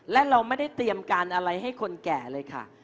และเราไม่ได้เตรียมการอะไรให้คนแก่เลยค่ะ